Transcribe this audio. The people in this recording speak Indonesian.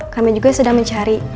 kami juga sedang mencari